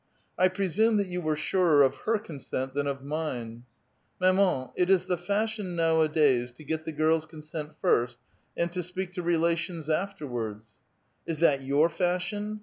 " I i)rcsumo that you were surer of her consent than of mine !"*'' Mamaju it is the fasliion nowadays to get the girl's consent fust, antl to speak to rehitions afterwards." Is that vour fashion?